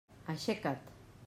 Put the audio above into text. Aixeca't!